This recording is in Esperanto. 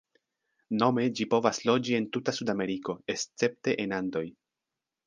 Nome ĝi povas loĝi en tuta Sudameriko, escepte en Andoj.